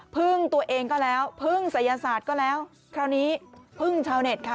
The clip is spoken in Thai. พึ่งตัวเองก็แล้วพึ่งศัยศาสตร์ก็แล้วคราวนี้พึ่งชาวเน็ตค่ะ